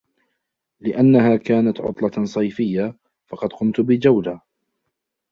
لانها كانت عطلة صيفية ، فقد قمت بجولة.